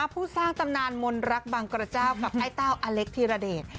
ผู้สร้างตำนานมนรักบางกระเจ้ากับไอ้เต้าอเล็กธีรเดช